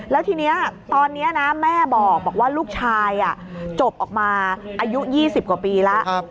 แล้วทีนี้ตอนนี้นะแม่บอกว่าลูกชายจบออกมาอายุ๒๐กว่าปีแล้ว